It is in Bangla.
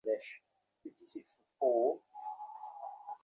জীবনের অসহ্য বিষাদ থেকে মুক্তি পেতে তিনি ক্রমশ পানাসক্ত হয়ে পড়েন।